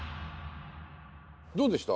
どうでした？